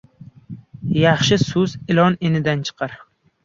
• Yaxshi so‘z ilonni inidan chiqaradi.